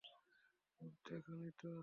ভূত দেখোনি তো?